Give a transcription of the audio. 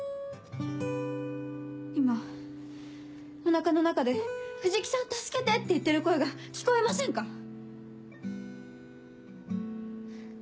今お腹の中で「藤木さん助けて！」って言ってる声が聞こえませんか？